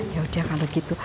yaudah kalau gitu